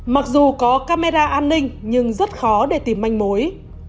mặc dù có camera an ninh nhưng rất khó để tìm manh mối